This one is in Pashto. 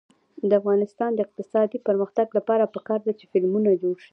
د افغانستان د اقتصادي پرمختګ لپاره پکار ده چې فلمونه جوړ شي.